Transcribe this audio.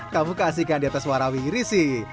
kamu kasih kandiatas warawiri sih